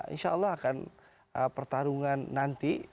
insya allah akan pertarungan nanti